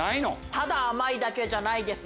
ただ甘いだけじゃないです。